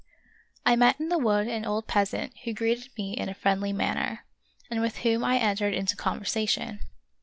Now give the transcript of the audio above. I met in the wood an old peasant who greeted me in a friendly manner, and with whom I entered into conversation.